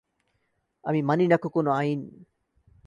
আমি মানি না কো কোন আইন।